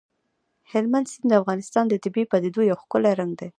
هلمند سیند د افغانستان د طبیعي پدیدو یو ښکلی رنګ دی.